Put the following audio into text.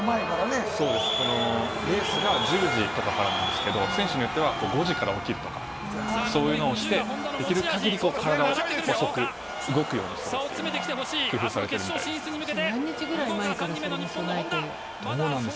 レースが１０時とかからなんですけど、選手によっては５時から起きるとか、そういうのをして、できるかぎり体を遅く動くようにする工夫されてるみたいです。